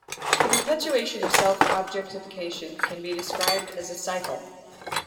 The perpetuation of self-objectification can be described as a cycle.